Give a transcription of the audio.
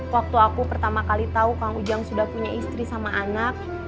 waktu aku pertama kali tahu kang ujang sudah punya istri sama anak